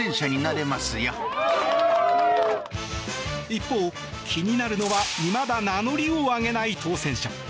一方、気になるのはいまだ名乗りを上げない当選者。